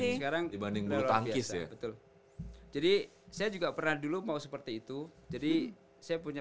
sekarang dibanding bulu tangkis betul jadi saya juga pernah dulu mau seperti itu jadi saya punya